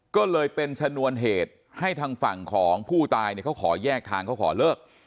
ก็เลยเป็นชนวนเหตุให้ทางฝั่งของผู้ตายเนี่ยเขาขอแยกทางเขาขอเลิก